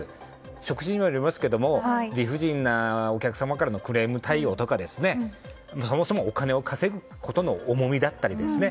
職種にもよりますけれども理不尽なお客様からのクレーム対応とかそもそもお金を稼ぐことの重みだったりとかね。